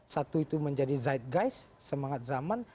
satu itu menjadi zeitgeist semangat zaman